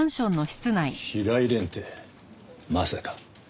平井蓮ってまさか。